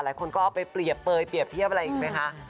หลายคนก็เอาไปเปรียบเปลยเปรียบเทียบอะไรอีกไหมคะ